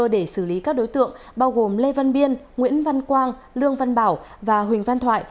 để xử lý các đối tượng bao gồm lê văn biên nguyễn văn quang lương văn bảo và huỳnh văn thoại